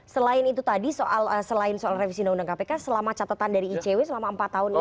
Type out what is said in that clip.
selain itu tadi selain soal revisi undang undang kpk selama catatan dari icw selama empat tahun ini